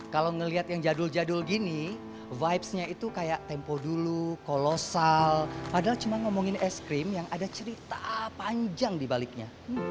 kalau ngeliat yang jadul jadul gini vibesnya itu kayak tempo dulu kolosal padahal cuma ngomongin es krim yang ada cerita panjang di baliknya